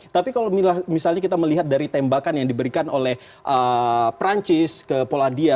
tapi kalau misalnya kita melihat dari tembakan yang diberikan oleh perancis ke polandia